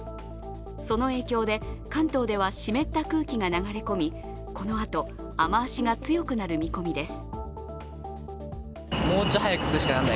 その影響で関東では湿った空気が流れ込み、このあと、雨足が強くなる見込みです。